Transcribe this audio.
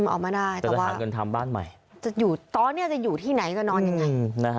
ออกมาได้แต่ว่าตอนนี้จะอยู่ที่ไหนก็นอนยังไง